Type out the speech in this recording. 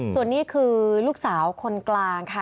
ส่วนนี้คือลูกสาวคนกลางค่ะ